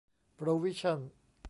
โปรวิชั่น